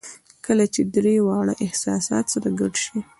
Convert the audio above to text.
کله چې درې واړه احساسات سره ګډ شي